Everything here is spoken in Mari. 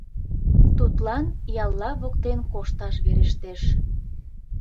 Тудлан ялла воктен кошташ верештеш.